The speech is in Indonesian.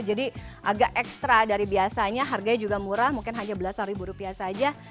jadi agak ekstra dari biasanya harganya juga murah mungkin hanya rp sebelas saja